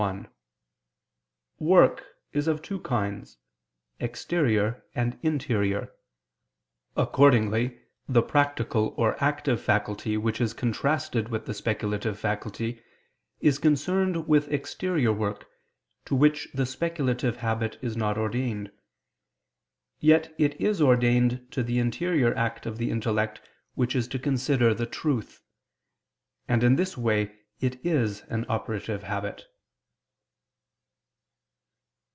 1: Work is of two kinds, exterior and interior. Accordingly the practical or active faculty which is contrasted with the speculative faculty, is concerned with exterior work, to which the speculative habit is not ordained. Yet it is ordained to the interior act of the intellect which is to consider the truth. And in this way it is an operative habit.